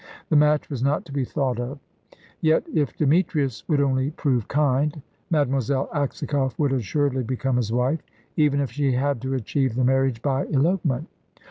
The match was not to be thought of. Yet, if Demetrius would only prove kind, Mademoiselle Aksakoff would assuredly become his wife, even if she had to achieve the marriage by elopement.